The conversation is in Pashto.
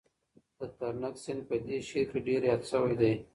د ترنک سیند په دې شعر کې ډېر یاد شوی دی.